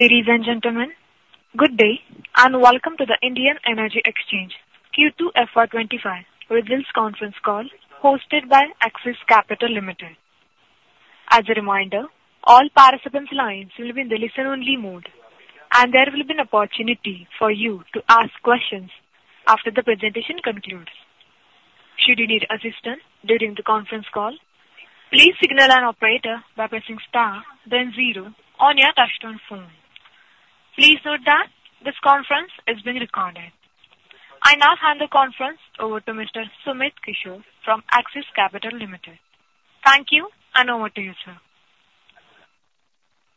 Ladies and gentlemen, good day, and welcome to the Indian Energy Exchange Q2 FY '25 Results Conference Call, hosted by Axis Capital Limited. As a reminder, all participants' lines will be in the listen-only mode, and there will be an opportunity for you to ask questions after the presentation concludes. Should you need assistance during the conference call, please signal an operator by pressing star, then zero on your touchtone phone. Please note that this conference is being recorded. I now hand the conference over to Mr. Sumit Kishore from Axis Capital Limited. Thank you, and over to you, sir.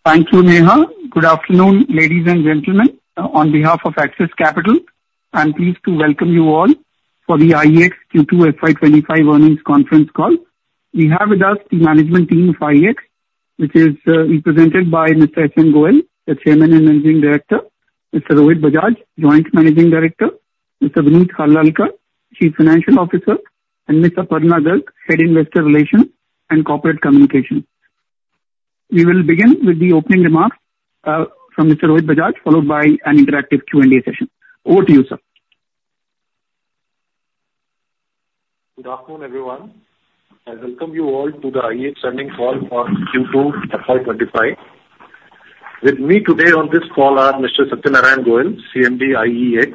Thank you, Neha. Good afternoon, ladies and gentlemen. On behalf of Axis Capital, I'm pleased to welcome you all for the IEX Q2 FY '25 Earnings Conference Call. We have with us the management team of IEX, which is represented by Mr. Satyanarayan Goel, the Chairman and Managing Director, Mr. Rohit Bajaj, Joint Managing Director, Mr. Vineet Harlalka, Chief Financial Officer, and Ms. Aparna Garg, Head Investor Relations and Corporate Communications. We will begin with the opening remarks from Mr. Rohit Bajaj, followed by an interactive Q&A session. Over to you, sir. Good afternoon, everyone. I welcome you all to the IEX earnings call for Q2 FY twenty-five. With me today on this call are Mr. Satyanarayan Goel, CMD, IEX;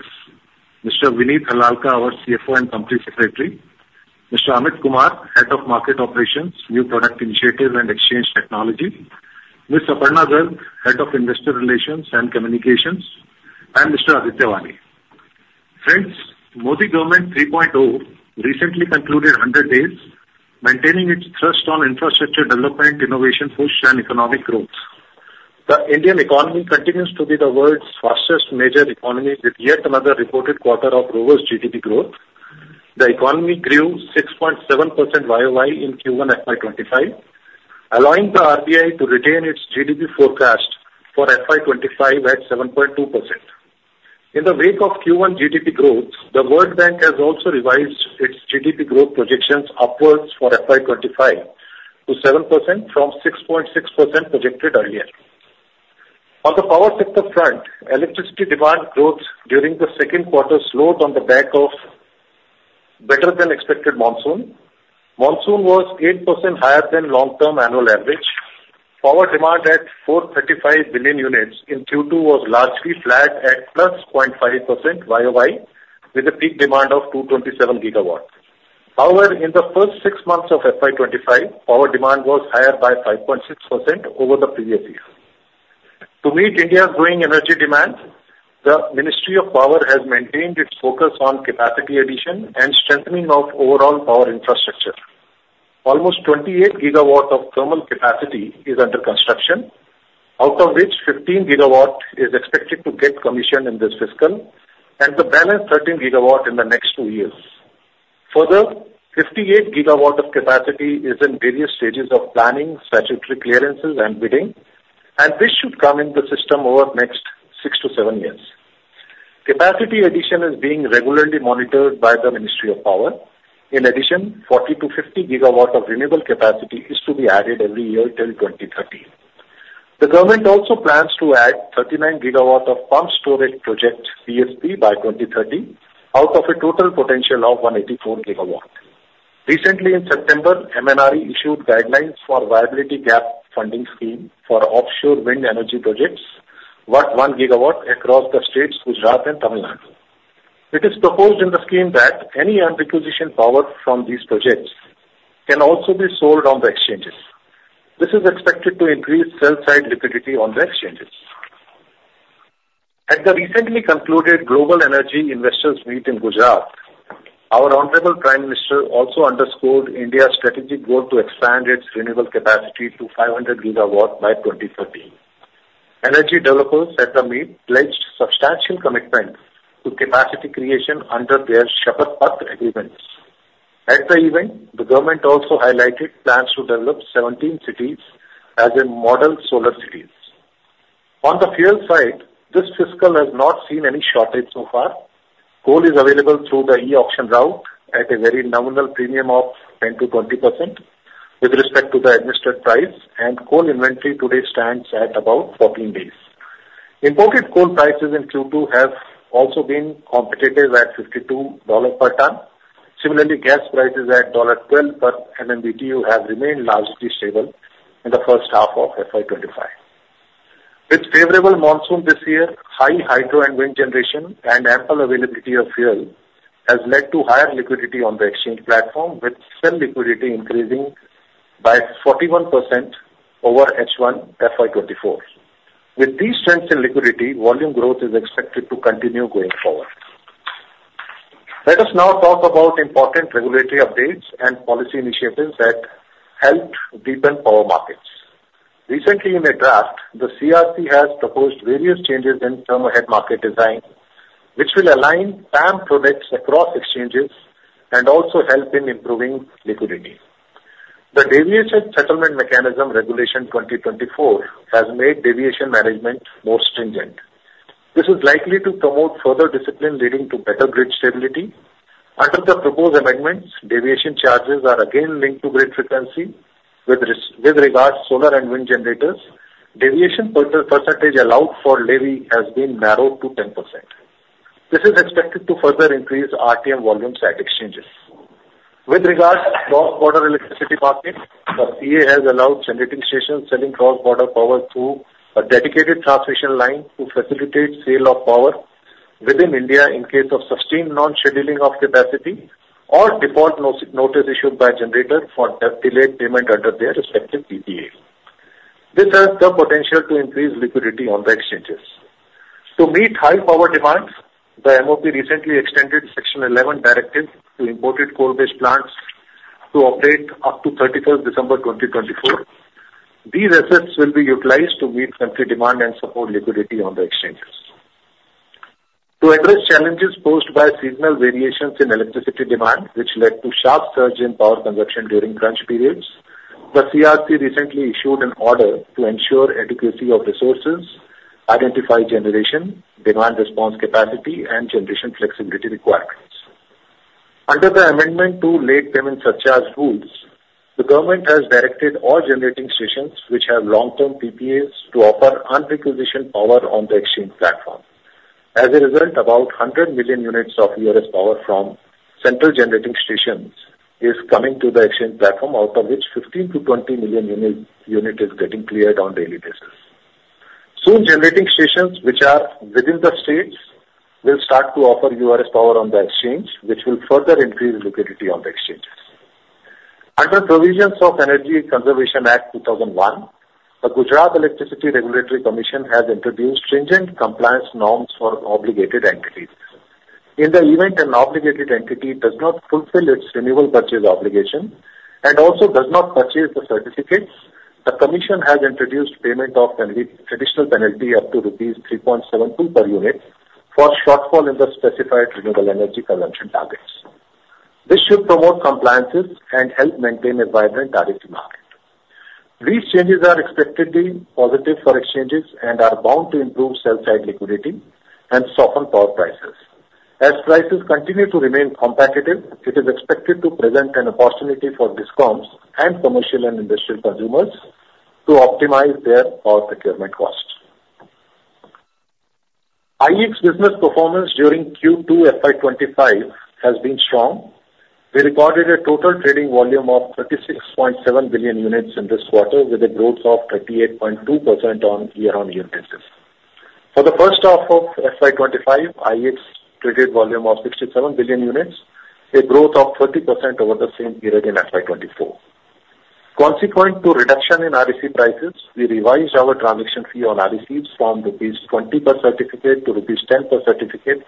Mr. Vineet Harlalka, our CFO and Company Secretary; Mr. Amit Kumar, Head of Market Operations, New Product Initiative and Exchange Technology; Ms. Aparna Garg, Head of Investor Relations and Communications; and Mr. Aditya Wani. Friends, Modi government 3.0 recently concluded 100 days, maintaining its thrust on infrastructure development, innovation push, and economic growth. The Indian economy continues to be the world's fastest major economy, with yet another reported quarter of robust GDP growth. The economy grew 6.7% YOY in Q1 FY twenty-five, allowing the RBI to retain its GDP forecast for FY twenty-five at 7.2%. In the wake of Q1 GDP growth, the World Bank has also revised its GDP growth projections upwards for FY 2025 to 7% from 6.6% projected earlier. On the power sector front, electricity demand growth during the Q2 slowed on the back of better than expected monsoon. Monsoon was 8% higher than long-term annual average. Power demand at 435 billion units in Q2 was largely flat at +0.5% YOY, with a peak demand of 227 gigawatts. However, in the first six months of FY 2025, power demand was higher by 5.6% over the previous year. To meet India's growing energy demand, the Ministry of Power has maintained its focus on capacity addition and strengthening of overall power infrastructure. Almost 28 gigawatts of thermal capacity is under construction, out of which 15 gigawatts is expected to get commissioned in this fiscal, and the balance 13 gigawatts in the next two years. Further, 58 gigawatts of capacity is in various stages of planning, statutory clearances and bidding, and this should come in the system over the next 6 to 7 years. Capacity addition is being regularly monitored by the Ministry of Power. In addition, 40 to 50 gigawatts of renewable capacity is to be added every year till 2030. The government also plans to add 39 gigawatts of pumped storage project, PSP, by 2030, out of a total potential of 184 gigawatts. Recently, in September, MNRE issued guidelines for Viability Gap Funding scheme for offshore wind energy projects, worth 1 gigawatt across the states Gujarat and Tamil Nadu. It is proposed in the scheme that any unrequisitioned surplus from these projects can also be sold on the exchanges. This is expected to increase sell side liquidity on the exchanges. At the recently concluded Global Energy Investors Meet in Gujarat, our honorable Prime Minister also underscored India's strategic goal to expand its renewable capacity to 500 gigawatts by 2030. Energy developers at the meet pledged substantial commitments to capacity creation under their Shapath Patra agreements. At the event, the government also highlighted plans to develop 17 cities as model solar cities. On the fuel side, this fiscal has not seen any shortage so far. Coal is available through the e-auction route at a very nominal premium of 10%-20% with respect to the administered price, and coal inventory today stands at about 14 days. Imported coal prices in Q2 have also been competitive at $52 per ton. Similarly, gas prices at $12 per MMBTU have remained largely stable in the first half of FY 2025. With favorable monsoon this year, high hydro and wind generation and ample availability of fuel has led to higher liquidity on the exchange platform, with sell liquidity increasing by 41% over H1 FY 2024. With these trends in liquidity, volume growth is expected to continue going forward. Let us now talk about important regulatory updates and policy initiatives that helped deepen power markets. Recently, in a draft, the CERC has proposed various changes in Term-Ahead market design, which will align term products across exchanges and also help in improving liquidity. The Deviation Settlement Mechanism Regulation 2024 has made deviation management more stringent. This is likely to promote further discipline, leading to better grid stability. Under the proposed amendments, deviation charges are again linked to grid frequency with regards to solar and wind generators, deviation percentage allowed for levy has been narrowed to 10%. This is expected to further increase RTM volumes at exchanges. With regards to cross-border electricity market, the CEA has allowed generating stations selling cross-border power through a dedicated transmission line to facilitate sale of power within India in case of sustained non-scheduling of capacity or default notice issued by generator for delayed payment under their respective PPA. This has the potential to increase liquidity on the exchanges. To meet high power demands, the MOP recently extended Section 11 directive to imported coal-based plants to operate up to thirty-first December 2024. These assets will be utilized to meet country demand and support liquidity on the exchanges. To address challenges posed by seasonal variations in electricity demand, which led to sharp surge in power consumption during crunch periods, the CERC recently issued an order to ensure adequacy of resources, identify generation, demand response capacity, and generation flexibility requirements. Under the amendment to late payment surcharge rules, the government has directed all generating stations which have long-term PPAs to offer unrequisitioned power on the exchange platform. As a result, about 100 million units of URS power from central generating stations is coming to the exchange platform, out of which 15 to 20 million units is getting cleared on daily basis. Soon, generating stations which are within the states will start to offer URS power on the exchange, which will further increase liquidity on the exchanges. Under provisions of Energy Conservation Act, 2001, the Gujarat Electricity Regulatory Commission has introduced stringent compliance norms for obligated entities. In the event an obligated entity does not fulfill its renewable purchase obligation and also does not purchase the certificates, the commission has introduced payment of additional penalty up to rupees 3.72 per unit, for shortfall in the specified renewable energy consumption targets. This should promote compliances and help maintain a vibrant REC market. These changes are expectedly positive for exchanges and are bound to improve sell-side liquidity and soften power prices. As prices continue to remain competitive, it is expected to present an opportunity for DISCOMs and commercial and industrial consumers to optimize their power procurement costs. IEX business performance during Q2 FY 2025 has been strong. We recorded a total trading volume of 36.7 billion units in this quarter, with a growth of 38.2% on year-on-year basis. For the first half of FY 2025, IEX traded volume of 67 billion units, a growth of 30% over the same period in FY 2024. Consequent to reduction in REC prices, we revised our transaction fee on RECs from rupees 20 per certificate to rupees 10 per certificate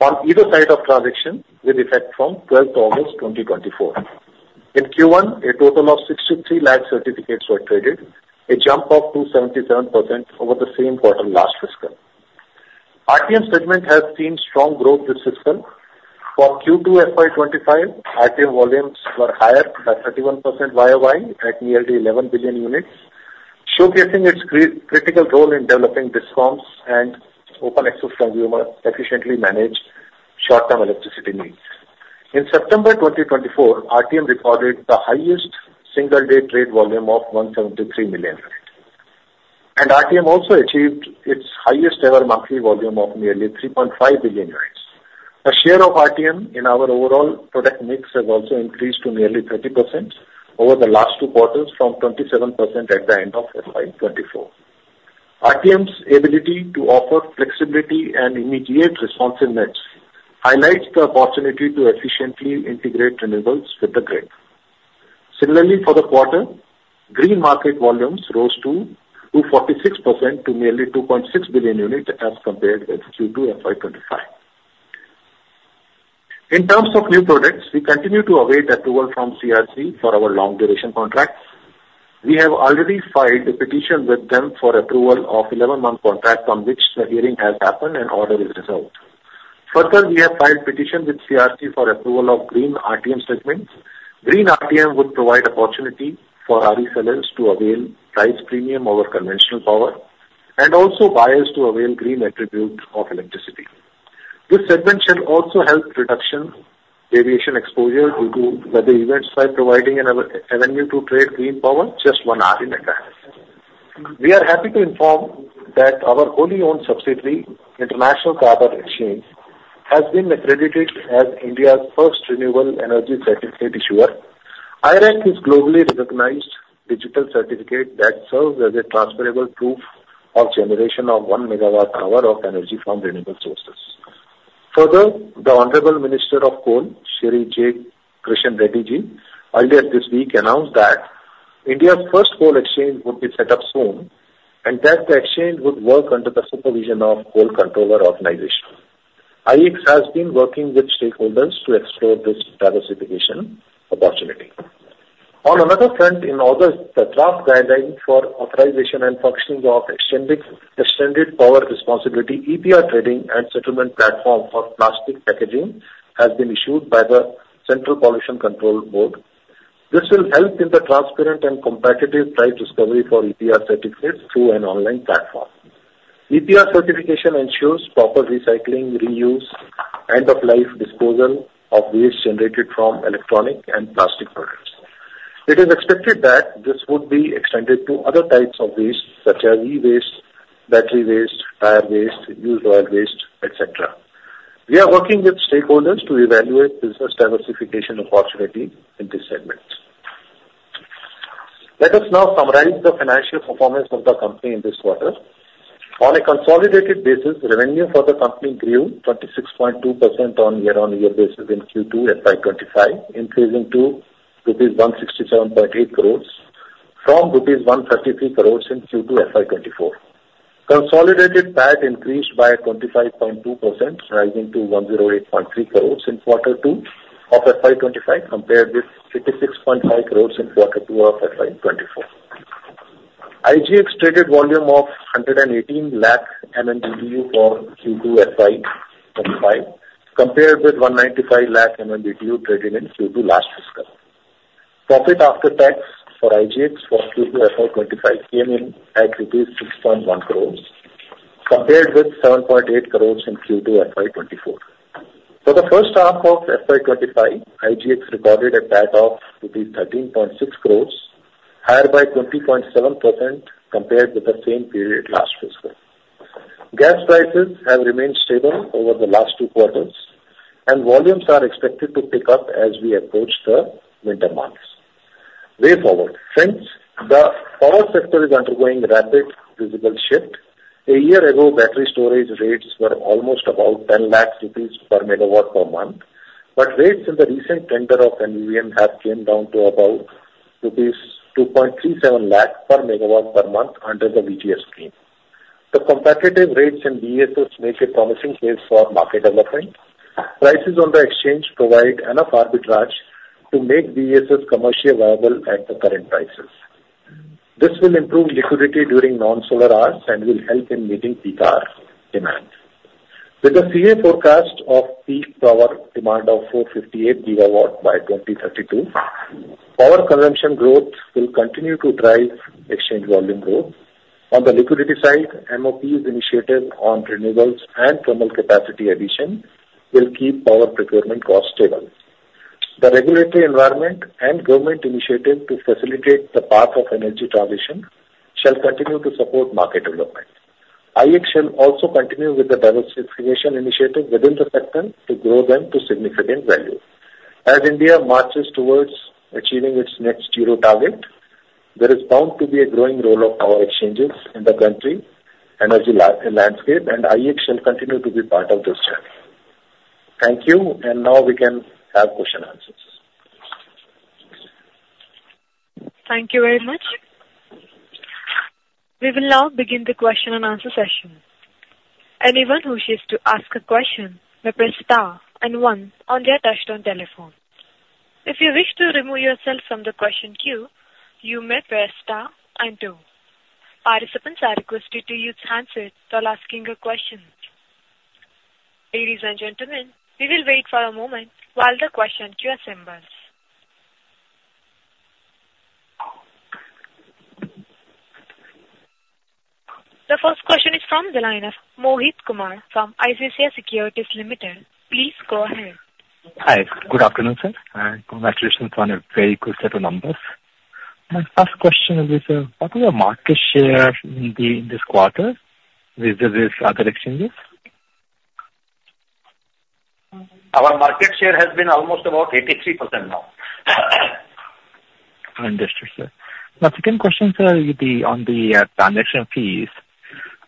on either side of transaction with effect from 12th August 2024. In Q1, a total of 63 lakh certificates were traded, a jump of 277% over the same quarter last fiscal. RTM segment has seen strong growth this fiscal. For Q2 FY 2025, RTM volumes were higher by 31% YOY at nearly 11 billion units, showcasing its critical role in developing DISCOMs and open access consumer efficiently manage short-term electricity needs. In September 2024, RTM recorded the highest single-day trade volume of 173 million units, and RTM also achieved its highest ever monthly volume of nearly 3.5 billion units. The share of RTM in our overall product mix has also increased to nearly 30% over the last two quarters, from 27% at the end of FY 2024. RTM's ability to offer flexibility and immediate responsiveness highlights the opportunity to efficiently integrate renewables with the grid. Similarly, for the quarter, green market volumes rose 246% to nearly 2.6 billion units as compared with Q2 FY 2025. In terms of new products, we continue to await approval from CERC for our long duration contracts. We have already filed a petition with them for approval of 11-month contract, on which the hearing has happened and order is resolved. Further, we have filed petition with CERC for approval of green RTM segments. Green RTM would provide opportunity for RE sellers to avail price premium over conventional power and also buyers to avail green attribute of electricity. This segment should also help reduction variation exposure due to weather events by providing an avenue to trade green power just one hour in advance. We are happy to inform that our wholly owned subsidiary, International Carbon Exchange, has been accredited as India's first renewable energy certificate issuer. I-REC is globally recognized digital certificate that serves as a transferable proof of generation of one megawatt hour of energy from renewable sources. Further, the Honorable Minister of Coal, Shri G. Kishan Reddy Ji, earlier this week announced that India's first coal exchange would be set up soon and that the exchange would work under the supervision of Coal Controller's Organization. IEX has been working with stakeholders to explore this diversification opportunity. On another front, in August, the draft guidelines for authorization and functioning of extended producer responsibility, EPR, trading and settlement platform for plastic packaging has been issued by the Central Pollution Control Board. This will help in the transparent and competitive price discovery for EPR certificates through an online platform. EPR certification ensures proper recycling, reuse, end-of-life disposal of waste generated from electronic and plastic products. It is expected that this would be extended to other types of waste, such as e-waste, battery waste, tire waste, used oil waste, et cetera. We are working with stakeholders to evaluate business diversification opportunity in this segment. Let us now summarize the financial performance of the company in this quarter. On a consolidated basis, revenue for the company grew 26.2% on year-on-year basis in Q2 FY 2025, increasing to rupees 167.8 crores, from rupees 133 crores in Q2 FY 2024. Consolidated PAT increased by 25.2%, rising to 108.3 crores in quarter two of FY 2025, compared with 56.5 crores in quarter two of FY 2024. IGX traded volume of 118 lakh MMBtu for Q2 FY 2025, compared with 195 lakh MMBtu traded in Q2 last fiscal. Profit after tax for IGX for Q2 FY 2025 came in at rupees 6.1 crores, compared with 7.8 crores in Q2 FY 2024. For the first half of FY 2025, IGX recorded a PAT of 13.6 crores, higher by 20.7% compared with the same period last fiscal. Gas prices have remained stable over the last two quarters, and volumes are expected to pick up as we approach the winter months. Way forward. Since the power sector is undergoing rapid physical shift, a year ago, battery storage rates were almost about 10 lakh rupees per megawatt per month, but rates in the recent tender of NVVN have came down to about rupees 2.37 lakh per megawatt per month under the BESS scheme. The competitive rates in BESS make a promising case for market development. Prices on the exchange provide enough arbitrage to make BESS commercially viable at the current prices. This will improve liquidity during non-solar hours and will help in meeting peak hour demand. With the CEA forecast of peak power demand of 458 gigawatts by 2032, power consumption growth will continue to drive exchange volume growth. On the liquidity side, MoP's initiative on renewables and thermal capacity addition will keep power procurement costs stable. The regulatory environment and government initiative to facilitate the path of energy transition shall continue to support market development. IEX shall also continue with the diversification initiative within the sector to grow them to significant value. As India marches towards achieving its net zero target, there is bound to be a growing role of power exchanges in the country, energy landscape, and IEX shall continue to be part of this journey. Thank you, and now we can have question and answers. Thank you very much. We will now begin the question and answer session. Anyone who wishes to ask a question may press star and one on their touchtone telephone. If you wish to remove yourself from the question queue, you may press star and two. Participants are requested to use handset while asking a question. Ladies and gentlemen, we will wait for a moment while the question queue assembles. The first question is from the line of Mohit Kumar from ICICI Securities Limited. Please go ahead. Hi. Good afternoon, sir, and congratulations on a very good set of numbers. My first question will be, sir, what is your market share in the, this quarter vis-a-vis other exchanges? Our market share has been almost about 83% now. Understood, sir. My second question, sir, will be on the transaction fees.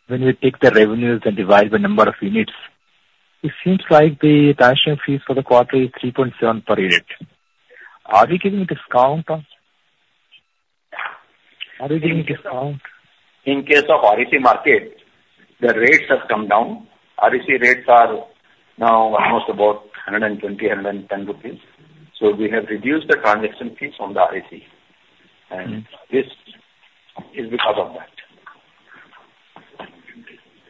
When we take the revenues and divide the number of units, it seems like the transaction fees for the quarter is three point seven per unit. Are we giving a discount? Are we giving a discount? In case of REC market, the rates have come down. REC rates are now almost about 110-120 rupees. So we have reduced the transaction fees on the REC, and this is because of that.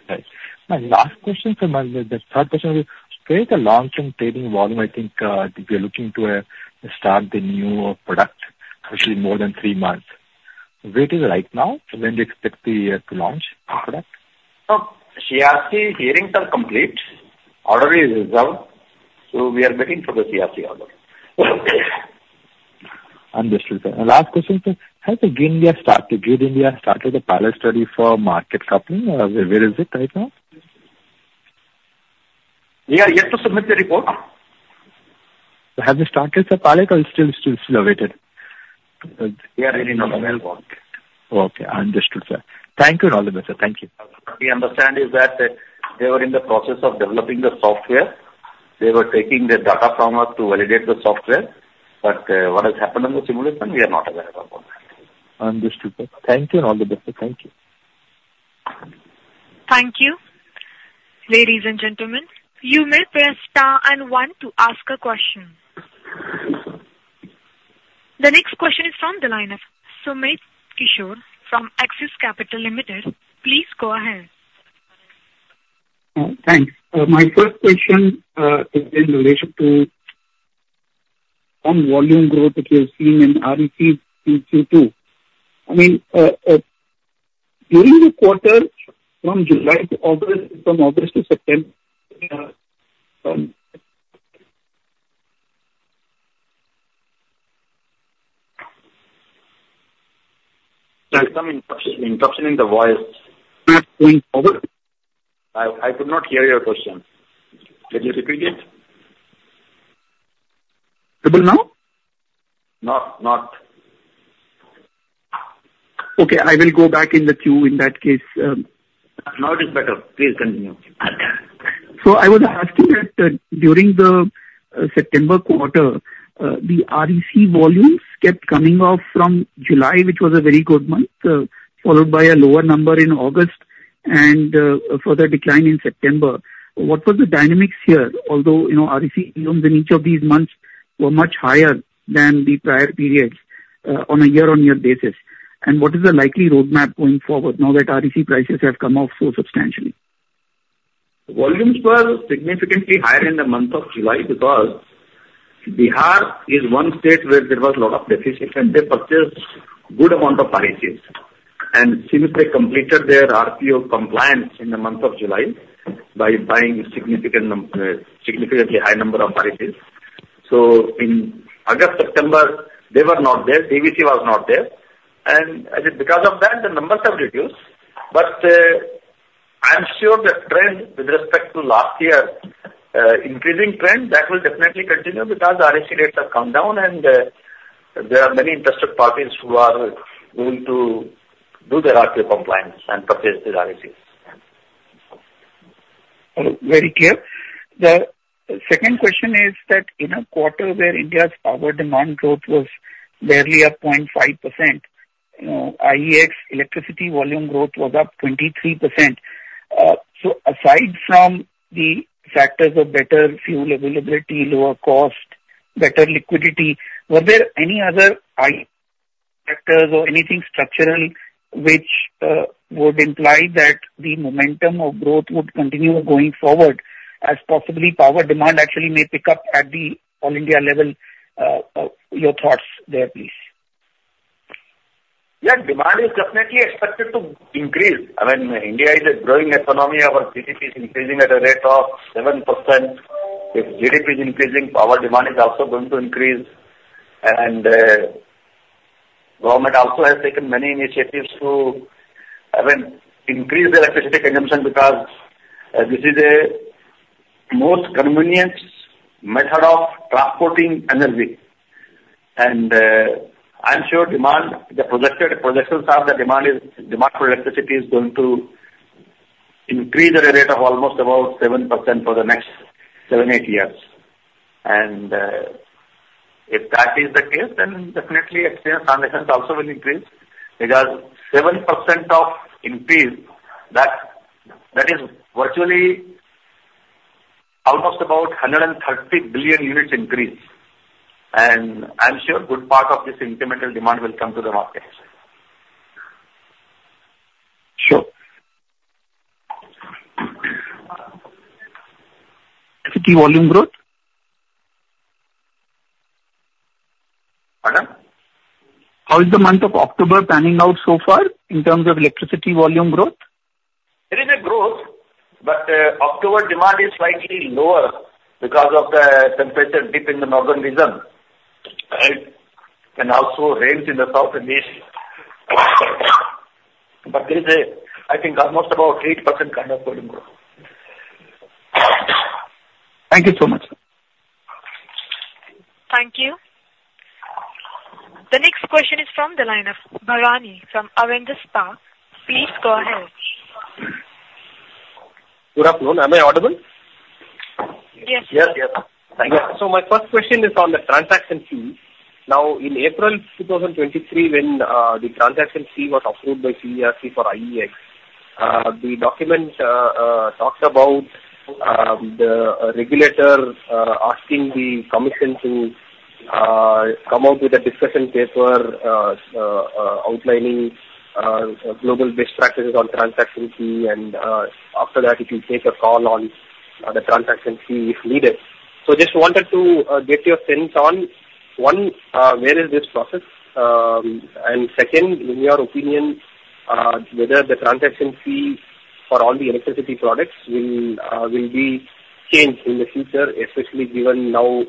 Right. My last question, sir, my third question will be, where is the long-term trading volume? I think, we are looking to, start the new product, usually more than three months. Where it is right now? When do you expect the, to launch the product? CERC hearings are complete. Order is reserved, so we are waiting for the CERC order. Understood, sir. My last question, sir: Has the Grid-India started a pilot study for market coupling, or where is it right now? We are yet to submit the report. Have you started the pilot or it's still awaited? We are really not aware about it. Okay, understood, sir. Thank you, and all the best, sir. Thank you. What we understand is that they were in the process of developing the software. They were taking the data from us to validate the software, but, what has happened on the simulation, we are not aware about that. Understood, sir. Thank you, and all the best, sir. Thank you. Thank you. Ladies and gentlemen, you may press star and one to ask a question. The next question is from the line of Sumit Kishore from Axis Capital Limited. Please go ahead.... Thanks. My first question is in relation to volume growth that you're seeing in REC in Q2. I mean, during the quarter from July to August, from August to September, from- There's some interruption in the voice. Going forward? I could not hear your question. Can you repeat it? Hearable now? Not, not. Okay, I will go back in the queue in that case. Now it is better. Please continue. So I was asking that during the September quarter, the REC volumes kept coming off from July, which was a very good month, followed by a lower number in August and a further decline in September. What were the dynamics here? Although, you know, REC, you know, in each of these months were much higher than the prior periods, on a year-on-year basis. And what is the likely roadmap going forward now that REC prices have come off so substantially? Volumes were significantly higher in the month of July because Bihar is one state where there was a lot of deficit, and they purchased good amount of RECs, and since they completed their RPO compliance in the month of July by buying a significantly high number of RECs. So in August, September, they were not there, Bihar was not there, and because of that, the numbers have reduced. But, I'm sure the trend with respect to last year, increasing trend, that will definitely continue because the REC rates have come down, and there are many interested parties who are willing to do their RPO compliance and purchase these RECs. Very clear. The second question is that in a quarter where India's power demand growth was barely at 0.5%, you know, IEX electricity volume growth was up 23%. So aside from the factors of better fuel availability, lower cost, better liquidity, were there any other factors or anything structural which would imply that the momentum of growth would continue going forward, as possibly power demand actually may pick up at the all India level? Your thoughts there, please. Yeah, demand is definitely expected to increase. I mean, India is a growing economy. Our GDP is increasing at a rate of 7%. If GDP is increasing, power demand is also going to increase. And, government also has taken many initiatives to, I mean, increase the electricity consumption, because, this is a most convenient method of transporting energy. And, I'm sure demand, the projected projections are the demand for electricity is going to increase at a rate of almost about 7% for the next seven, eight years. And, if that is the case, then definitely exchange transactions also will increase, because 7% of increase, that is virtually almost about 130 billion units increase. And I'm sure a good part of this incremental demand will come to the market. Sure. Electricity volume growth? Pardon? How is the month of October panning out so far in terms of electricity volume growth? There is a growth, but October demand is slightly lower because of the temperature dip in the northern region, and also rains in the South and East. But there is a, I think, almost about 8% kind of volume growth. Thank you so much. Thank you. The next question is from the line of Bharani, from Avendus Spark. Please go ahead. Good afternoon. Am I audible? Yes. Yes, yes. Thank you. So my first question is on the transaction fee. Now, in April 2023, when the transaction fee was approved by CERC for IEX, the document talked about the regulator asking the commission to come out with a discussion paper outlining global best practices on transaction fee, and after that, it will take a call on the transaction fee if needed. So just wanted to get your sense on, one, where is this process? And second, in your opinion, whether the transaction fee for all the electricity products will be changed in the future, especially given now,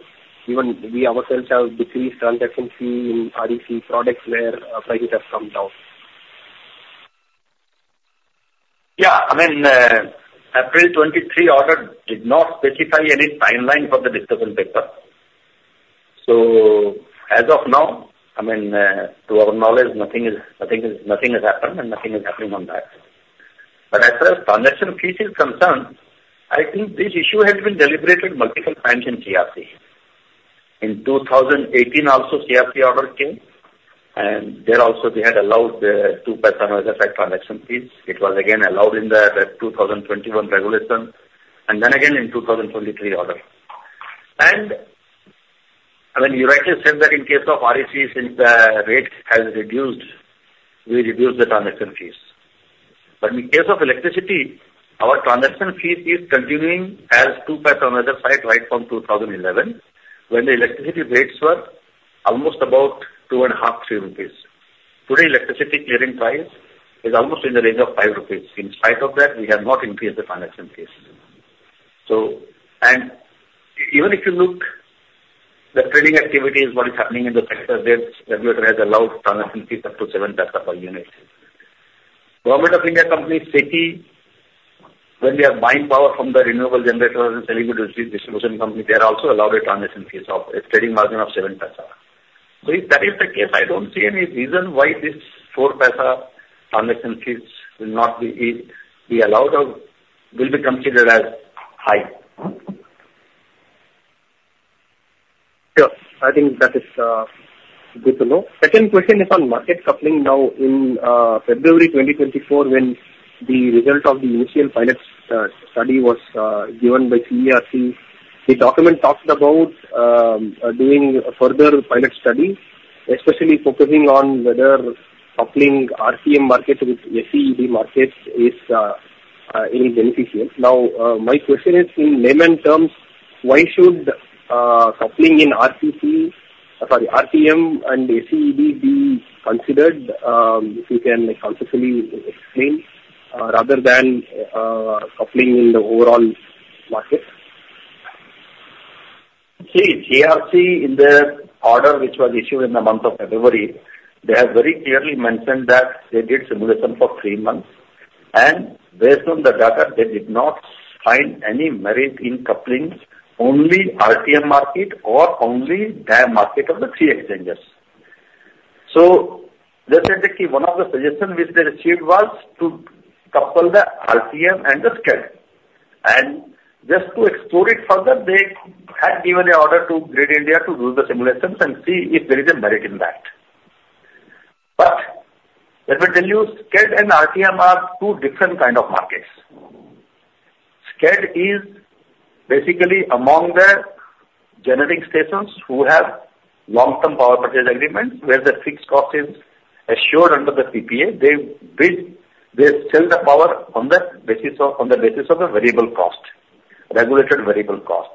even we ourselves have decreased transaction fee in REC products where prices have come down. Yeah. I mean, April 2023 order did not specify any timeline for the discussion paper. So as of now, I mean, to our knowledge, nothing has happened and nothing is happening on that. But as far as transaction fee is concerned, I think this issue has been deliberated multiple times in CERC. In 2018 also, CERC order came, and there also they had allowed the two paisa per unit transaction fees. It was again allowed in the 2021 regulation, and then again in 2023 order. I mean, you rightly said that in case of REC, since the rate has reduced, we reduce the transaction fees. In case of electricity, our transaction fees is continuing as 0.02 on either side, right from 2011, when the electricity rates were almost about 2.5 rupees. Today, electricity clearing price is almost in the range of 5 rupees. In spite of that, we have not increased the transaction fees. So, and even if you look at the trading activities, what is happening in the sector, where regulator has allowed transaction fees up to 0.07 per unit. Government of India companies like SECI, when they are buying power from the renewable generators and distribution company, they are also allowed a transaction fees of a trading margin of 0.07. So if that is the case, I don't see any reason why this 0.04 transaction fees will not be allowed or will be considered as high. Sure. I think that is good to know. Second question is on market coupling. Now, in February 2024, when the result of the initial pilot study was given by CERC, the document talked about doing further pilot studies, especially focusing on whether coupling RTM markets with SCED markets is beneficial. Now, my question is, in layman terms, why should coupling in RCC, sorry, RTM and SCED be considered? If you can conceptually explain rather than coupling in the overall market. See, GERC in their order, which was issued in the month of February, they have very clearly mentioned that they did simulations for three months, and based on the data, they did not find any merit in coupling only RTM market or only the market of the three exchanges. So they said that one of the suggestions which they received was to couple the RTM and the SCED, and just to explore it further, they had given an order to Grid-India to do the simulations and see if there is a merit in that. But let me tell you, SCED and RTM are two different kind of markets. SCED is basically among the generating stations who have long-term power purchase agreement, where the fixed cost is assured under the PPA. They bid, they sell the power on the basis of, on the basis of a variable cost, regulated variable cost.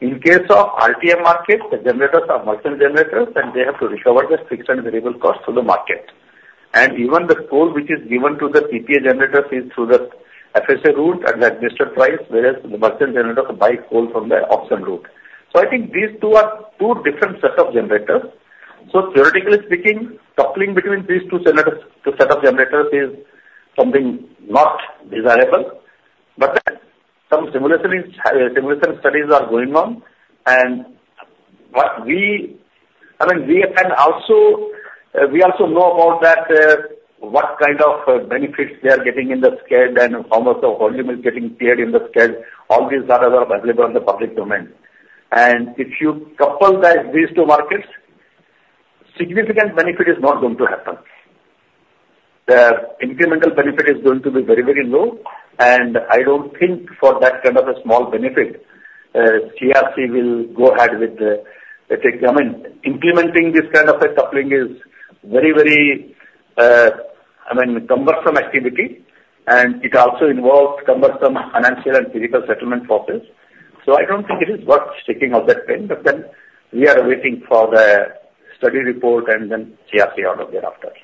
In case of RTM market, the generators are merchant generators, and they have to recover the fixed and variable costs to the market. And even the coal which is given to the PPA generators is through the FSA route at the administered price, whereas the merchant generators buy coal from the auction route. So I think these two are two different set of generators. So theoretically speaking, coupling between these two generators, two set of generators, is something not desirable, but then some simulation studies are going on. And what we, I mean, we can also, we also know about that, what kind of benefits they are getting in the SCED and how much the volume is getting cleared in the SCED. All these data are available in the public domain, and if you couple these two markets, significant benefit is not going to happen. The incremental benefit is going to be very, very low, and I don't think for that kind of a small benefit, GERC will go ahead with the, let's say... I mean, implementing this kind of a coupling is very, very, I mean, cumbersome activity, and it also involves cumbersome financial and physical settlement process, so I don't think it is worth taking of that time, but then we are waiting for the study report and then GERC order thereafter. So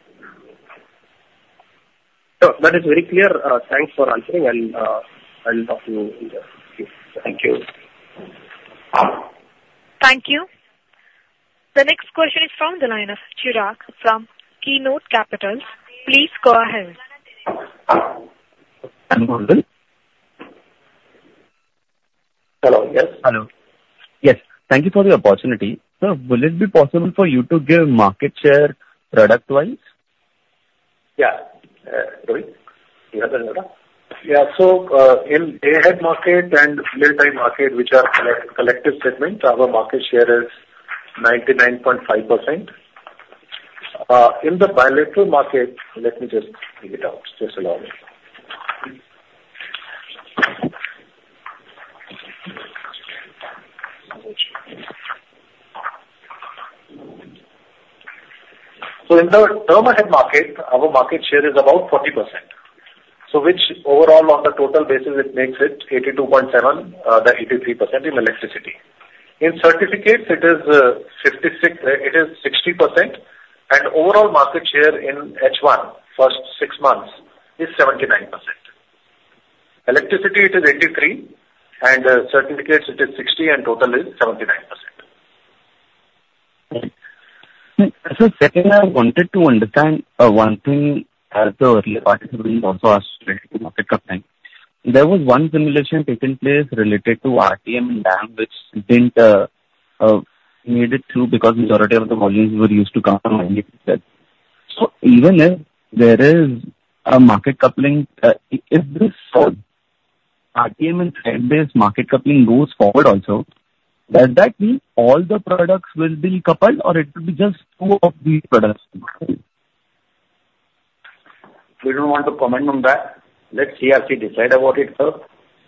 that is very clear. Thanks for answering. I'll talk to you later. Thank you. Thank you. The next question is from the line of Chirag from Keynote Capitals. Please go ahead. Hello? Hello. Yes. Hello. Yes, thank you for the opportunity. Sir, will it be possible for you to give market share product-wise? Yeah. Do you have the data? Yeah. So, in day-ahead market and real-time market, which are collective transactions, our market share is 99.5%. In the bilateral market, let me just bring it out. Just allow me. So in the Term-Ahead Market, our market share is about 40%. So which overall, on a total basis, it makes it 82.7, then 83% in electricity. In certificates, it is, fifty-six, it is 60%, and overall market share in H1, first six months, is 79%. Electricity, it is 83%, and certificates it is 60%, and total is 79%. Right. So second, I wanted to understand, one thing, as the earlier participant also asked related to market coupling. There was one simulation taking place related to RTM and DAM, which didn't, made it through because majority of the volumes were used to come from RTM. So even if there is a market coupling, if this RTM and time-based market coupling goes forward also, does that mean all the products will be coupled or it will be just two of these products?... We don't want to comment on that. Let CERC decide about it first,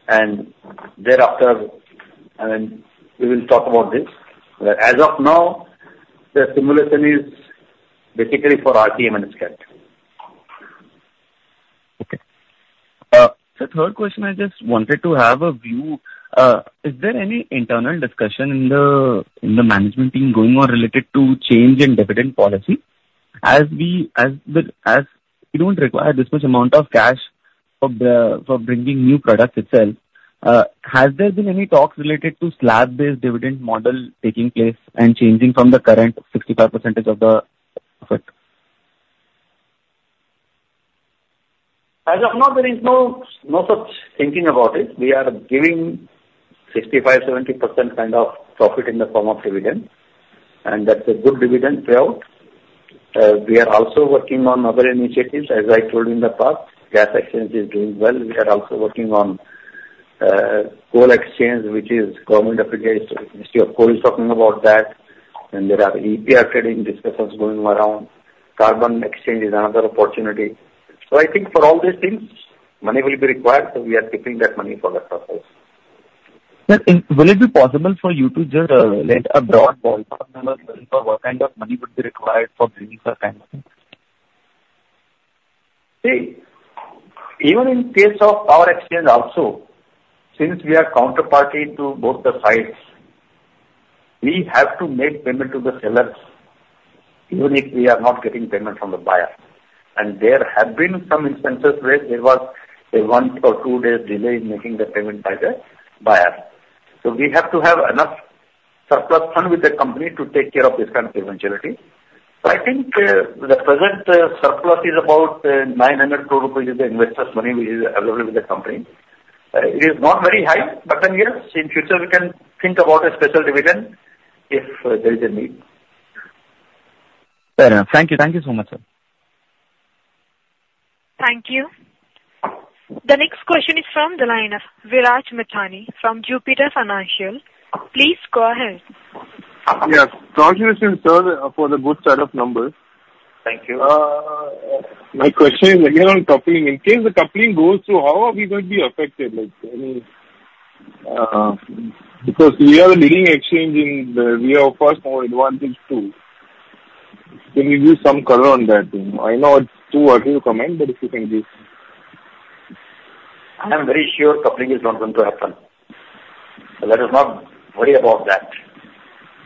and thereafter, and we will talk about this. But as of now, the simulation is basically for RTM and schedule. Okay. So third question, I just wanted to have a view. Is there any internal discussion in the management team going on related to change in dividend policy? As you don't require this much amount of cash for bringing new products itself, has there been any talks related to slab-based dividend model taking place and changing from the current 65% of the profit? As of now, there is no, no such thinking about it. We are giving 65%-70% kind of profit in the form of dividend, and that's a good dividend payout. We are also working on other initiatives. As I told you in the past, gas exchange is doing well. We are also working on coal exchange, which is government of Ministry of Coal is talking about that. And there are EPR trading discussions going around. Carbon exchange is another opportunity. So I think for all these things, money will be required, so we are keeping that money for that purpose. Sir, and will it be possible for you to just lend a broad ballpark number for what kind of money would be required for bringing such kind of things? See, even in case of power exchange also, since we are counterparty to both the sides, we have to make payment to the sellers even if we are not getting payment from the buyer. And there have been some instances where there was a one or two days delay in making the payment by the buyer. So we have to have enough surplus fund with the company to take care of this kind of eventuality. So I think, the present surplus is about 900 crore rupees, is the investors' money, which is available with the company. It is not very high, but then, yes, in future, we can think about a special dividend if there is a need. Fair enough. Thank you. Thank you so much, sir. Thank you. The next question is from the line of Viraj Mithani from Jupiter Financial. Please go ahead. Yes. Congratulations, sir, for the good set of numbers. Thank you. My question is again on coupling. In case the coupling goes through, how are we going to be affected? Like, any... Because we are the leading exchange in the, we are first mover advantage, too. Can you give some color on that? I know it's too early to comment, but if you can give. I am very sure coupling is not going to happen, so let us not worry about that.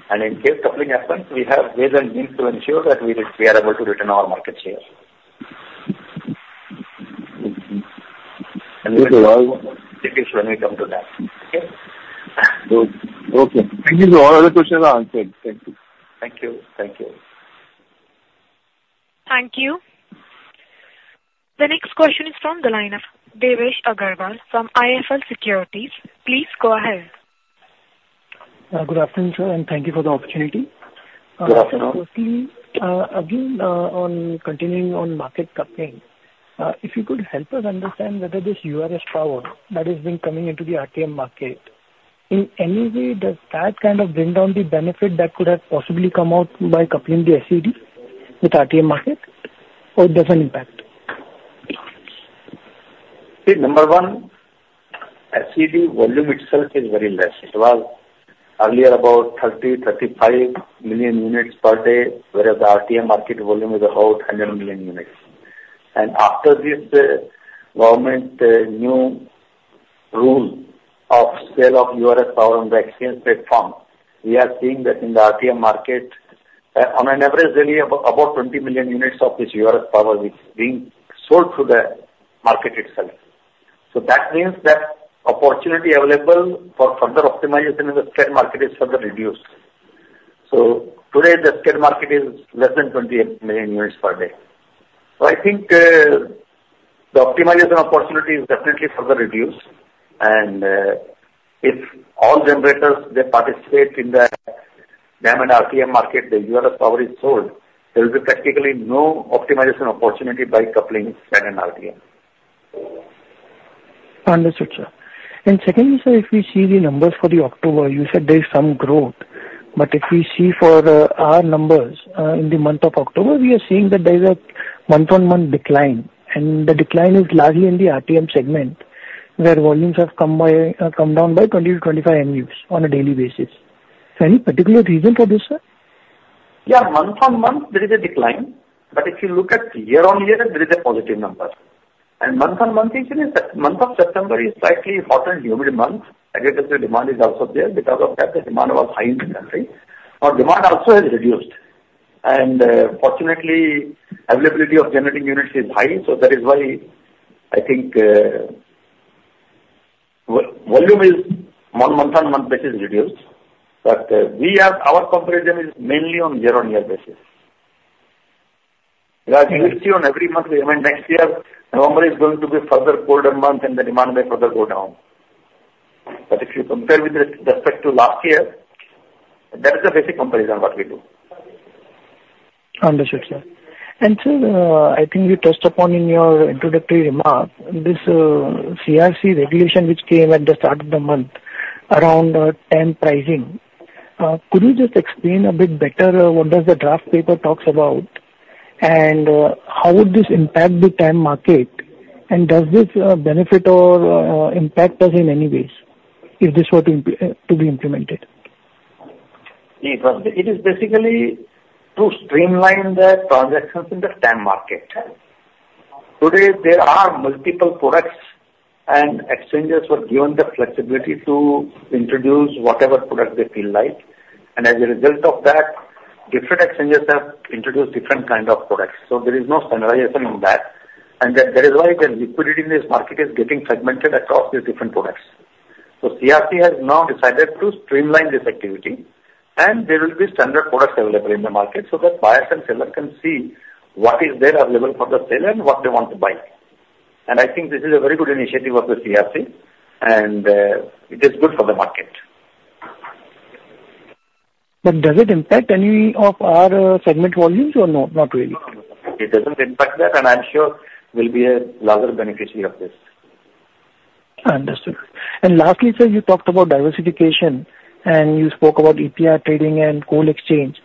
And in case coupling happens, we have ways and means to ensure that we are able to retain our market share. Mm-hmm. When it comes to that. Okay? Okay. Thank you, sir. All other questions are answered. Thank you. Thank you. Thank you. Thank you. The next question is from the line of Devesh Agarwal from IIFL Securities. Please go ahead. Good afternoon, sir, and thank you for the opportunity. Good afternoon. Again, on continuing on market coupling, if you could help us understand whether this URS power that has been coming into the RTM market, in any way, does that kind of bring down the benefit that could have possibly come out by coupling the SCED with RTM market, or it doesn't impact? See, number one, SED volume itself is very less. It was earlier about 30-35 million units per day, whereas the RTM market volume is about 100 million units. And after this government new rule of sale of URS power on the exchange platform, we are seeing that in the RTM market, on an average daily, about 20 million units of this URS power is being sold to the market itself. So that means that opportunity available for further optimization in the schedule market is further reduced. So today, the schedule market is less than 20 million units per day. So I think, the optimization opportunity is definitely further reduced. And, if all generators, they participate in the DAM and RTM market, the URS power is sold, there will be practically no optimization opportunity by coupling SCED and RTM. Understood, sir. And secondly, sir, if we see the numbers for the October, you said there is some growth, but if we see for our numbers in the month of October, we are seeing that there is a month-on-month decline, and the decline is largely in the RTM segment, where volumes have come down by 20-25 MUs on a daily basis. So any particular reason for this, sir? Yeah, month on month, there is a decline, but if you look at year on year, there is a positive number. And month on month, actually, month of September is slightly hot and humid month. Agricultural demand is also there. Because of that, the demand was high in the country. Our demand also has reduced, and fortunately, availability of generating units is high. So that is why I think, volume is on month on month basis reduced, but, our comparison is mainly on year-on-year basis. Because you see, on every month, we mean, next year, November is going to be further colder month and the demand may further go down. But if you compare with respect to last year, that is the basic comparison what we do. Understood, sir. And sir, I think you touched upon in your introductory remark, this, CERC regulation, which came at the start of the month, around time pricing. Could you just explain a bit better, what does the draft paper talks about, and how would this impact the TAM market? And does this benefit or impact us in any ways, if this were to be implemented? It was, it is basically to streamline the transactions in the TAM market. Today, there are multiple products, and exchanges were given the flexibility to introduce whatever product they feel like, and as a result of that, different exchanges have introduced different kind of products. So there is no standardization in that. And then that's why the liquidity in this market is getting fragmented across these different products. So CERC has now decided to streamline this activity, and there will be standard products available in the market so that buyers and sellers can see what is there available for sale and what they want to buy. And I think this is a very good initiative of the CERC, and it is good for the market. But does it impact any of our segment volumes or no? Not really. It doesn't impact that, and I'm sure we'll be a larger beneficiary of this. Understood. Lastly, sir, you talked about diversification, and you spoke about EPR trading and Coal Exchange.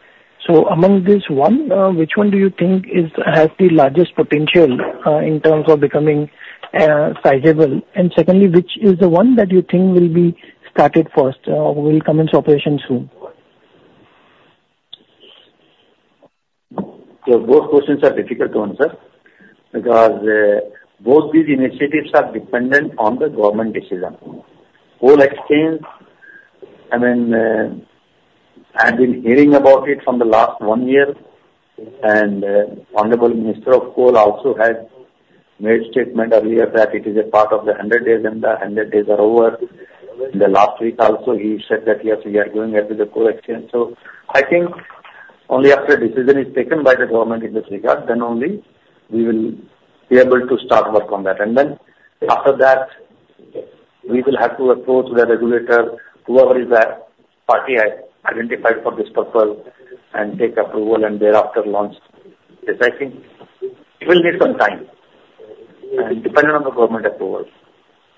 Among this one, which one do you think has the largest potential in terms of becoming sizable? And secondly, which is the one that you think will be started first or will come into operation soon? So both questions are difficult to answer, because, both these initiatives are dependent on the government decision. Coal Exchange, I mean, I've been hearing about it from the last one year, and, Honorable Minister of Coal also has made statement earlier that it is a part of the hundred days, and the hundred days are over. In the last week also, he said that, "Yes, we are going ahead with the Coal Exchange." So I think only after a decision is taken by the government in this regard, then only we will be able to start work on that. And then after that, we will have to approach the regulator, whoever is the party identified for this purpose, and take approval and thereafter launch. Yes, I think it will need some time, and dependent on the government approval.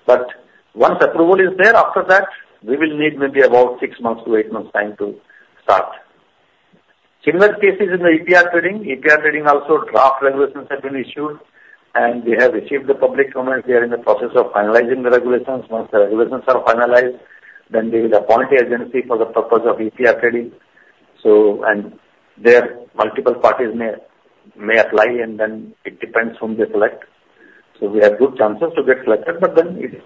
But once approval is there, after that, we will need maybe about six months to eight months time to start. Similar case is in the EPR trading. EPR trading also, draft regulations have been issued, and we have received the public comments. We are in the process of finalizing the regulations. Once the regulations are finalized, then they will appoint an agency for the purpose of EPR trading. So, and there, multiple parties may, may apply, and then it depends whom they select. So we have good chances to get selected, but then it,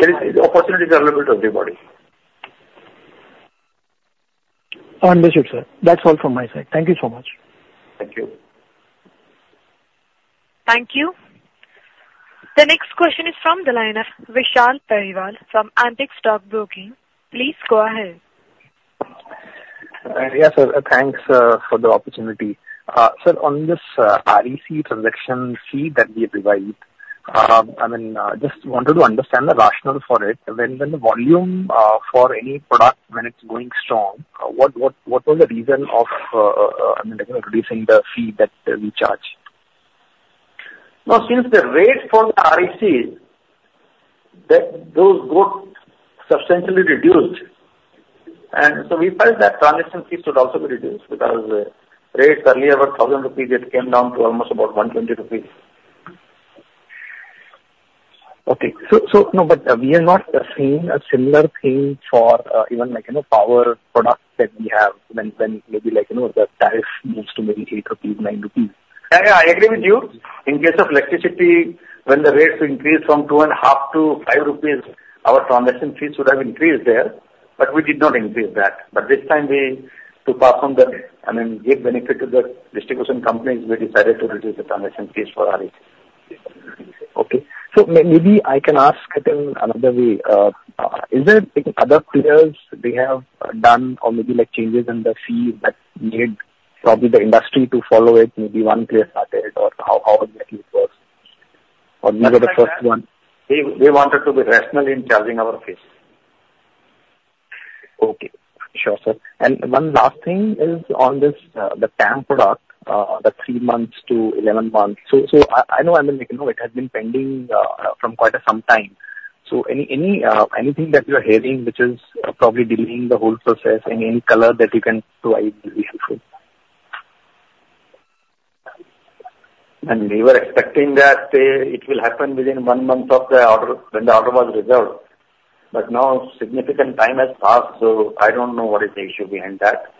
there is, opportunities are available to everybody. Understood, sir. That's all from my side. Thank you so much. Thank you. Thank you. The next question is from the line of Vishal Pariwal from Antique Stock Broking. Please go ahead. Yes, sir. Thanks for the opportunity. Sir, on this REC transaction fee that we provide, I mean, just wanted to understand the rationale for it. When the volume for any product, when it's going strong, what was the reason of, I mean, reducing the fee that we charge? Now, since the rate for the REC, those rates substantially reduced, and so we felt that transaction fees should also be reduced, because rates earlier were 1,000 rupees, it came down to almost about 120 rupees. Okay. No, but we are not seeing a similar thing for even like, you know, power products that we have, when maybe like, you know, the tariff moves to maybe eight rupees, nine rupees. Yeah, yeah, I agree with you. In case of electricity, when the rates increase from 2.5-5 rupees, our transaction fees should have increased there, but we did not increase that. But this time we, to pass on the, I mean, give benefit to the distribution companies, we decided to reduce the transaction fees for REC. Okay. So maybe I can ask it in another way. Is there any other players they have done or maybe like changes in the fee that made probably the industry to follow it, maybe one player started, or how exactly it works? Or you were the first one? We wanted to be rational in charging our fees. Okay. Sure, sir, and one last thing is on this, the TAM product, the three months to 11 months, so I know, I mean, like, you know, it has been pending from quite some time, so anything that you are hearing which is probably delaying the whole process, any color that you can provide will be helpful. We were expecting that it will happen within one month of the order, when the order was reserved, but now significant time has passed, so I don't know what is the issue behind that.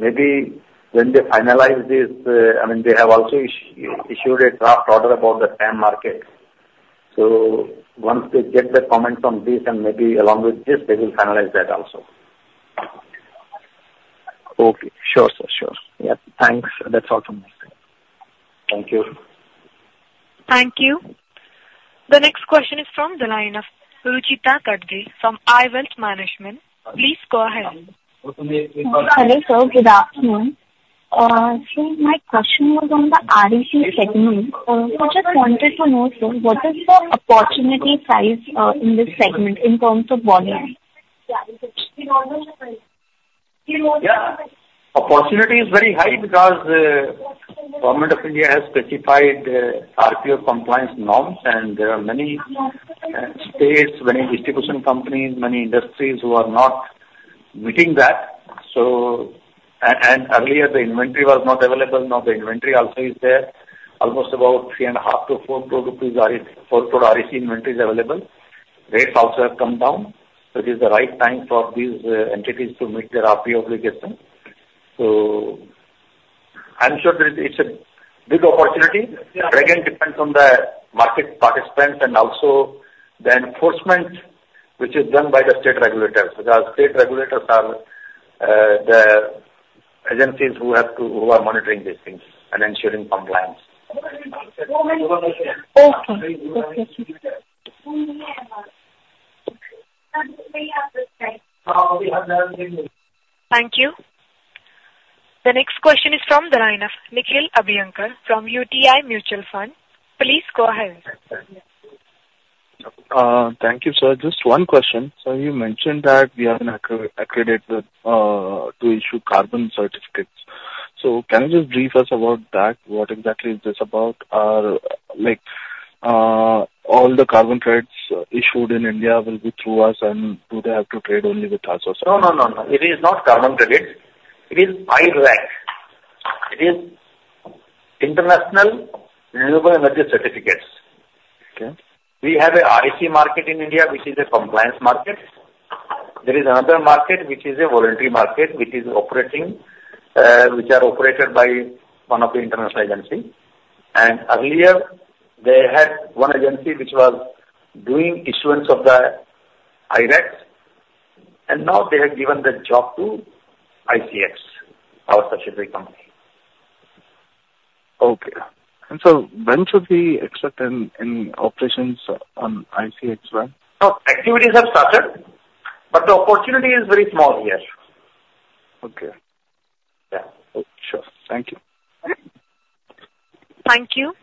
Maybe when they finalize this, I mean, they have also issued a draft order about the TAM market. Once they get the comment on this, and maybe along with this, they will finalize that also. Okay. Sure, sir, sure. Yeah, thanks. That's all from my side. Thank you. Thank you. The next question is from the line of Rucheeta Kadge, from IWealth Management. Please go ahead. Hello, Ruchita- Hello, sir. Good afternoon, so my question was on the REC segment. I just wanted to know, sir, what is the opportunity size in this segment in terms of volume? Yeah. Opportunity is very high because the Government of India has specified RPO compliance norms, and there are many states, many distribution companies, many industries who are not meeting that. And earlier, the inventory was not available, now the inventory also is there. Almost about 3.5-4 crore rupees, or 4 crore REC inventory is available. Rates also have come down, so it is the right time for these entities to meet their RPO obligation. So I'm sure that it's a big opportunity, but again, depends on the market participants and also the enforcement, which is done by the state regulators, because state regulators are the agencies who are monitoring these things and ensuring compliance. Okay. Okay, thank you. Thank you. The next question is from the line of Nikhil Abhyankar from UTI Mutual Fund. Please go ahead. Thank you, sir. Just one question. So you mentioned that we are an accredited to issue carbon certificates. So can you just brief us about that? What exactly is this about? Or, like, all the carbon credits issued in India will be through us, and do they have to trade only with us or- No, no, no, no. It is not carbon credits. It is I-REC. It is International Renewable Energy Certificates. Okay. We have a REC market in India, which is a compliance market. There is another market, which is a voluntary market, which is operating, which are operated by one of the international agency. And earlier, they had one agency which was doing issuance of the I-RECs, and now they have given the job to ICX, our subsidiary company. Okay. And so when should we expect any operations on ICX then? No, activities have started, but the opportunity is very small here. Okay. Yeah. Sure. Thank you. Thank you.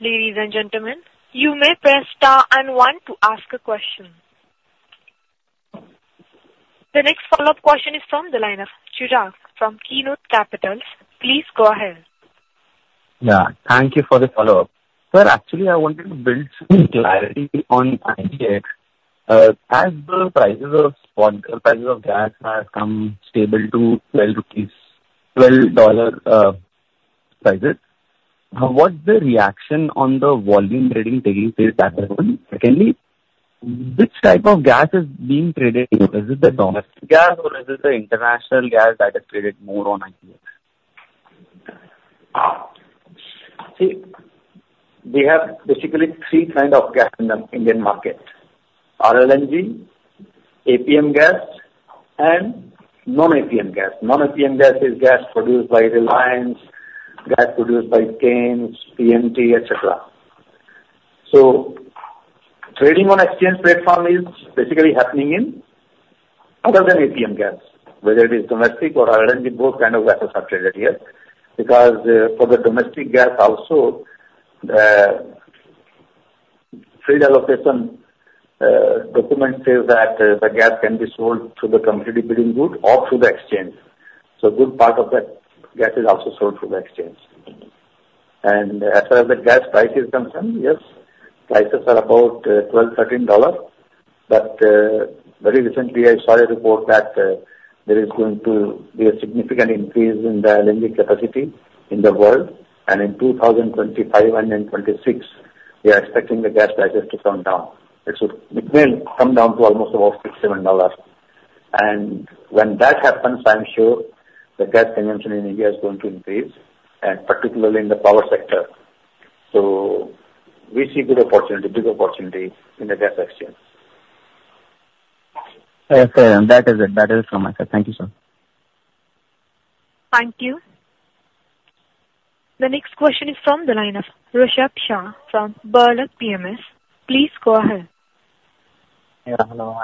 Ladies and gentlemen, you may press star and one to ask a question. The next follow-up question is from the line of Chirag from Keynote Capitals. Please go ahead. Yeah, thank you for the follow-up. Sir, actually, I wanted to build clarity on IGX. As the prices of spot, prices of gas have come stable to twelve rupees, twelve dollars, prices, what's the reaction on the volume trading taking place platform? Secondly, which type of gas is being traded? Is it the domestic gas or is it the international gas that is traded more on IGX? See, we have basically three kind of gas in the Indian market: RLNG, APM gas, and non-APM gas. Non-APM gas is gas produced by Reliance, gas produced by Cairn, TNT, et cetera. So trading on exchange platform is basically happening in other than APM gas, whether it is domestic or RLNG, both kind of gases are traded here, because for the domestic gas also, the field allocation document says that the gas can be sold through the competitive bidding route or through the exchange. So good part of the gas is also sold through the exchange. And as far as the gas price is concerned, yes, prices are about $12-$13, but very recently I saw a report that there is going to be a significant increase in the LNG capacity in the world, and in 2025 and in 2026, we are expecting the gas prices to come down. It should, it will come down to almost about $6-$7. And when that happens, I'm sure the gas consumption in India is going to increase, and particularly in the power sector. So we see good opportunity, big opportunity in the gas exchange. Okay, that is it. That is from my side. Thank you, sir. Thank you. The next question is from the line of Rushabh Shah from Birla PMS. Please go ahead. Yeah, hello...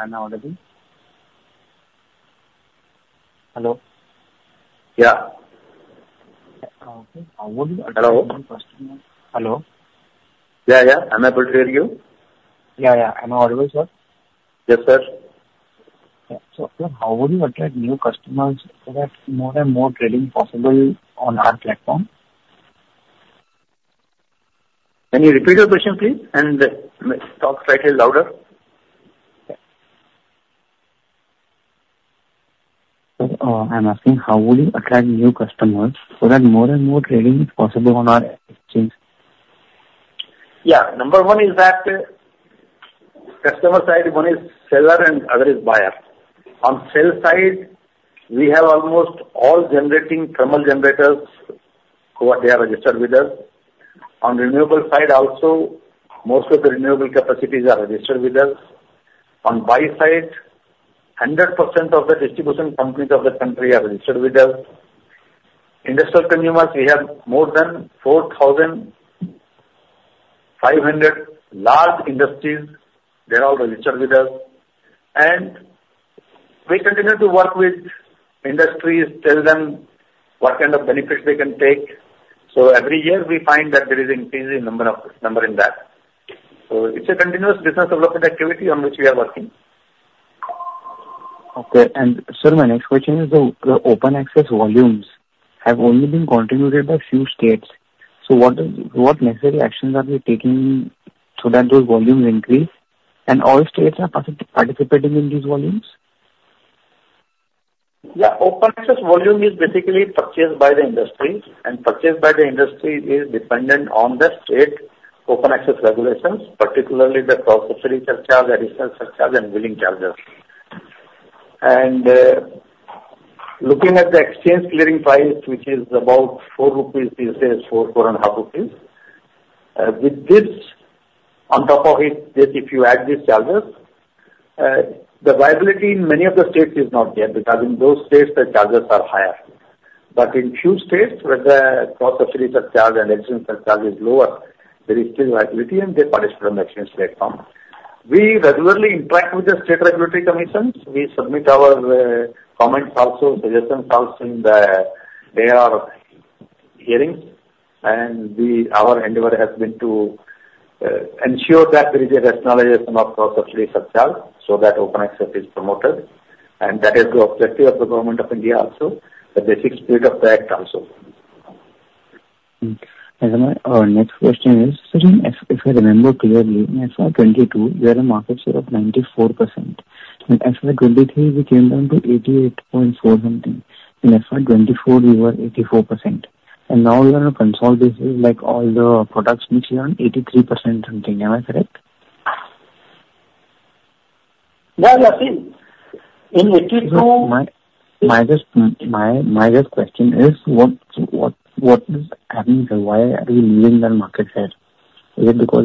Hello? Yeah. How would you- Hello? Hello. Yeah, yeah. Am I able to hear you? Yeah, yeah. Am I audible, sir? Yes, sir. Yeah. So how would you attract new customers so that more and more trading possible on our platform? Can you repeat your question, please, and talk slightly louder? Sure. I'm asking, how would you attract new customers so that more and more trading is possible on our exchange? Yeah. Number one is that, customer side, one is seller and other is buyer. On sell side, we have almost all generating thermal generators who are... They are registered with us. On renewable side also, most of the renewable capacities are registered with us. On buy side, 100% of the distribution companies of the country are registered with us. Industrial consumers, we have more than 4,500 large industries, they're all registered with us. And we continue to work with industries, tell them what kind of benefits they can take. So every year we find that there is an increase in number in that. So it's a continuous business development activity on which we are working. Okay. And sir, my next question is the open access volumes have only been contributed by a few states. So what necessary actions are we taking so that those volumes increase, and all states are participating in these volumes? Yeah. Open access volume is basically purchased by the industry, and purchased by the industry is dependent on the state open access regulations, particularly the Cross-Subsidy Surcharge, additional surcharge, and billing charges. And, looking at the exchange clearing price, which is about 4 rupees these days, 4 rupees, INR 4.5, with this, on top of it, this, if you add these charges, the viability in many of the states is not there, because in those states, the charges are higher. But in few states, where the Cross-Subsidy Surcharge and extra surcharge is lower, there is still viability, and they participate on the exchange platform. We regularly interact with the state regulatory commissions. We submit our comments also, suggestions also, in the hearings, and our endeavor has been to ensure that there is a rationalization of Cross-Subsidy Surcharge, so that open access is promoted, and that is the objective of the Government of India also, the basic spirit of the Act also. And my, our next question is, sir, if I remember clearly, in FY 2022, we had a market share of 94%, and FY 2023, we came down to 88.4% something, in FY 2024, we were 84%, and now we are on a consolidated basis, like all the products mixed on 83% something. Am I correct? Yeah, yeah. See, in eighty-two- My just question is, what is happening, sir? Why are we losing that market share? Is it because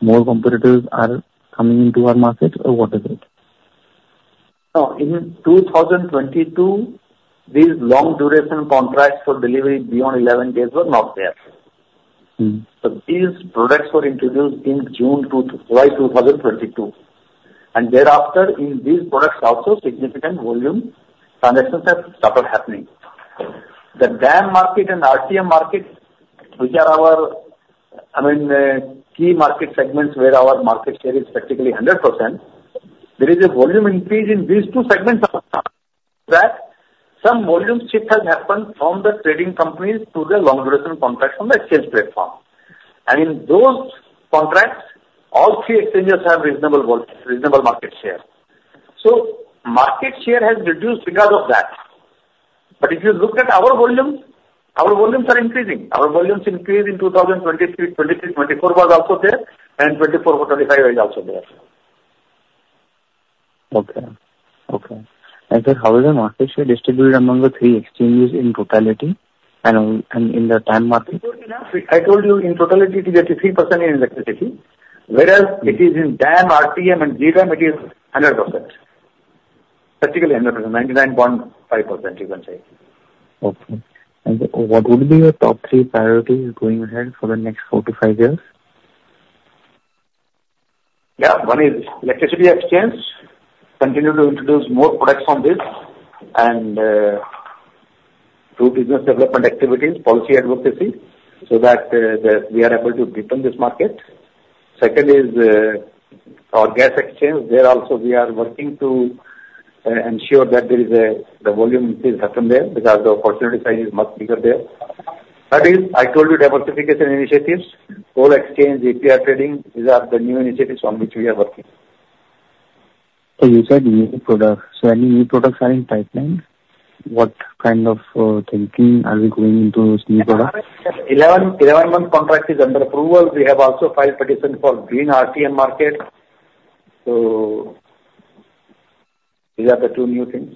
more competitors are coming into our market, or what is it? No, in 2022, these long duration contracts for delivery beyond 11 days were not there. Hmm. So these products were introduced in June 2022, July 2022, and thereafter, in these products also, significant volume transactions have started happening. The DAM market and RTM market, which are our, I mean, key market segments, where our market share is practically 100%, there is a volume increase in these two segments, that some volume shift has happened from the trading companies to the long duration contracts on the exchange platform. And in those contracts, all three exchanges have reasonable market share. So market share has reduced because of that. But if you look at our volumes, our volumes are increasing. Our volumes increased in 2023, 2024 was also there, and 2024 to 2025 is also there. Okay. Sir, how is the market share distributed among the three exchanges in totality and in the real-time market? I told you, in totality, it is 83% in electricity, whereas it is in DAM, RTM and G-RTM, it is 100%. Practically 100%, 99.5%, you can say. Okay. And what would be your top three priorities going ahead for the next four to five years? Yeah. One is electricity exchange. Continue to introduce more products on this and do business development activities, policy advocacy, so that we are able to deepen this market. Second is our gas exchange. There also, we are working to ensure that there is the volume increase happen there, because the opportunity size is much bigger there. Third is, I told you, diversification initiatives, coal exchange, API trading, these are the new initiatives on which we are working. So you said new products. So any new products are in pipeline? What kind of thinking are we going into these new products? 11-month contract is under approval. We have also filed petition for Green RTM market, so these are the two new things.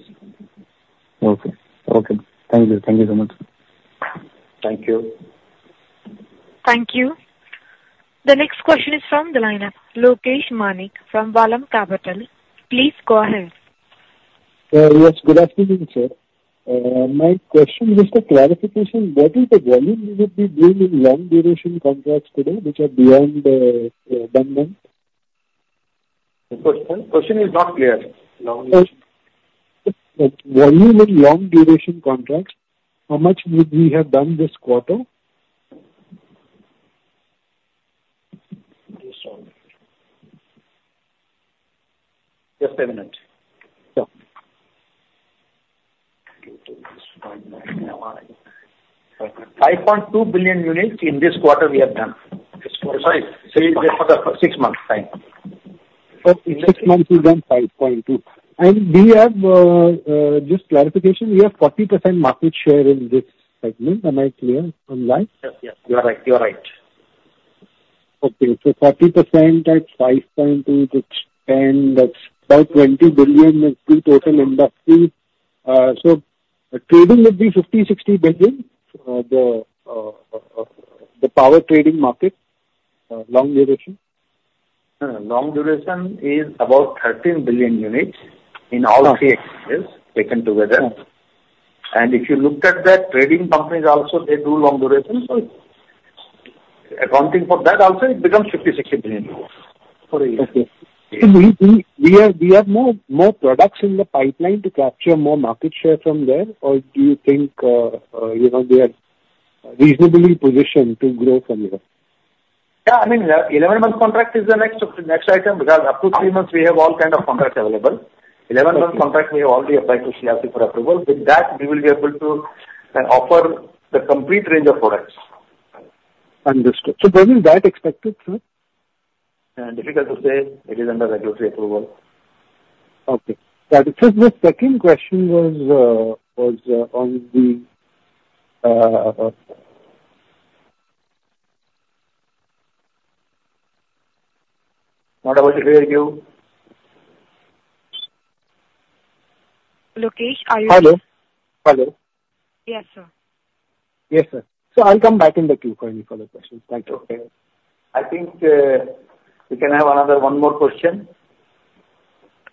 Okay. Okay. Thank you. Thank you so much. Thank you. Thank you. The next question is from the lineup, Lokesh Manik from Vallum Capital. Please go ahead. Yes, good afternoon, sir. My question is the clarification. What is the volume you would be doing in long duration contracts today, which are beyond one month? The question? Question is not clear. Long... Volume in long duration contracts, how much would we have done this quarter? Just a minute. Sure. 5.2 billion units in this quarter we have done. Sorry, say for the six-month time. Okay, six months, we've done five point two. And do you have just clarification, we have 40% market share in this segment. Am I clear on that? Yes, yes, you are right. You are right. Okay, so 40% at 5.2-10, that's about 20 billion is the total industry. So the trading would be 50-60 billion, the power trading market, long duration? Long duration is about thirteen billion units in all three exchanges taken together. Okay. And if you looked at that, trading companies also, they do long duration, so accounting for that also, it becomes 50-60 billion. Okay. Do you have more products in the pipeline to capture more market share from there, or do you think, you know, we are reasonably positioned to grow from here? Yeah, I mean, eleven-month contract is the next item, because up to three months we have all kind of contracts available. Okay. 11-month contract, we have already applied to CERC for approval. With that, we will be able to offer the complete range of products. Understood. So when is that expected, sir? Difficult to say. It is under regulatory approval. Okay. Sir, the second question was on the, What was the question? Lokesh, are you- Hello? Hello. Yes, sir. Yes, sir. So I'll come back in the queue for any follow-up questions. Thank you. Okay. I think, we can have another one more question.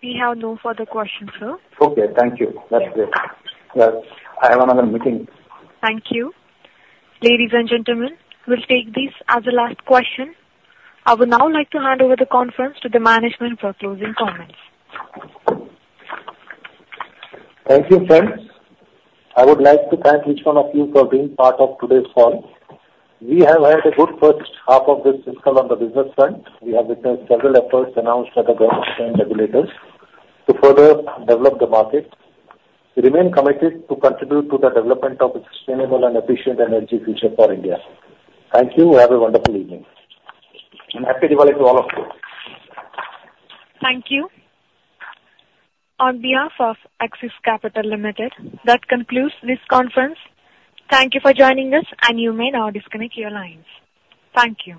We have no further questions, sir. Okay, thank you. That's great. Yes. I have another meeting. Thank you. Ladies and gentlemen, we'll take this as the last question. I would now like to hand over the conference to the management for closing comments. Thank you, friends. I would like to thank each one of you for being part of today's call. We have had a good first half of this fiscal on the business front. We have witnessed several efforts announced by the government and regulators to further develop the market. We remain committed to contribute to the development of a sustainable and efficient energy future for India. Thank you, have a wonderful evening, and happy Diwali to all of you. Thank you. On behalf of Axis Capital Limited, that concludes this conference. Thank you for joining us, and you may now disconnect your lines. Thank you.